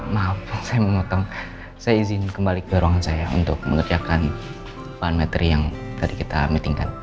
maaf saya mau ngotong saya izin kembali ke ruangan saya untuk mengerjakan puan metri yang tadi kita meetingkan